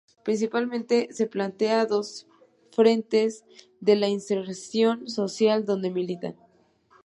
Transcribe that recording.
Principalmente se plantean dos frentes de inserción social donde militan.